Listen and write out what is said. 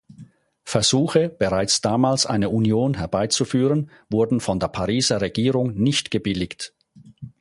Versuche, bereits damals eine Union herbeizuführen, wurden von der Pariser Regierung nicht gebilligt.